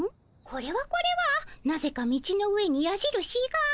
これはこれはなぜか道の上にやじるしが。